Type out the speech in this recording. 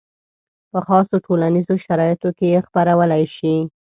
په خاصو ټولنیزو شرایطو کې یې خپرولی شي.